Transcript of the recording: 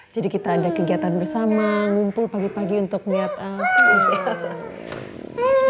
jadi kita ada kegiatan bersama ngumpul pagi pagi untuk liat al